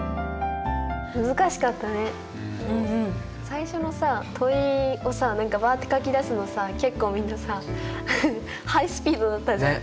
最初のさ問いをさ何かバッて書き出すのさ結構みんなさハイスピードだったじゃん。